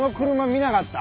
見なかった。